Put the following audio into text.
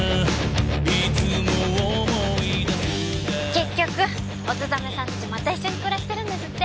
結局小津鮫さんたちまた一緒に暮らしてるんですって。